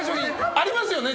ありますよね？